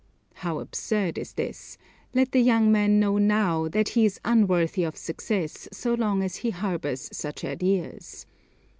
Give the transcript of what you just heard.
How absurd is this; let the young man know now, that he is unworthy of success so long as he harbors such ideas.